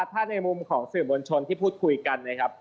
ถ้าในมุมของสื่อมวลชนที่พูดคุยกันนะครับ